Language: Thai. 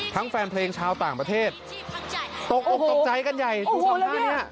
ทั้งแฟนเพลงชาวต่างประเทศตกอกตกใจกันใหญ่ดูสองหน้านี้